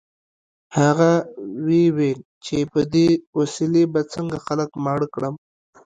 هغه ویې ویل چې په دې وسیلې به څنګه خلک ماړه کړم